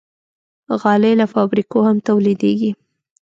غالۍ له فابریکو هم تولیدېږي.